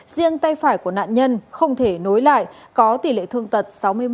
riêng tay phải của nạn nhân không thể nối lại có tỷ lệ thương tật sáu mươi một